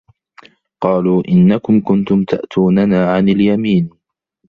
قالوا إِنَّكُم كُنتُم تَأتونَنا عَنِ اليَمينِ